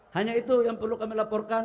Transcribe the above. hanya itu yang perlu kami laporkan